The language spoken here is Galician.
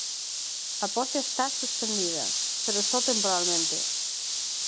A poxa está suspendida, pero só temporalmente.